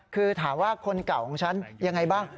คือถามว่าคนเก่าของฉันยังไงบ้าง